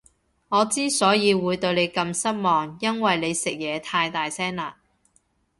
我之所以會對你咁失望，因為你食嘢太大聲喇